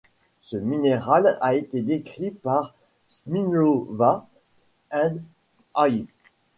Ce minéral a été décrit par Smyslova & Al.